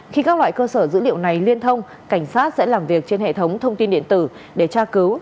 khi các loại cơ sở dữ liệu này liên thông cảnh sát sẽ làm việc trên hệ thống thông tin điện tử để tra cứu